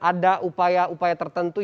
ada upaya upaya tertentu